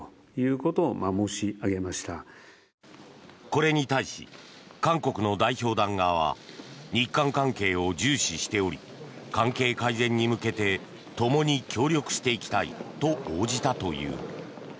これに対し韓国の代表団側は日韓関係を重視しており関係改善に向けてともに協力していきたいと応じたという。